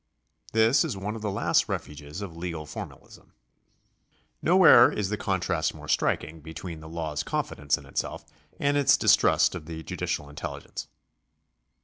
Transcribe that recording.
This is one of the last refuges of legal formalism. Nowhere is the contrast more striking between the law's confidence in itself and its distrust of the judicial intelligence.